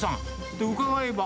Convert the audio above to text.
で、伺えば。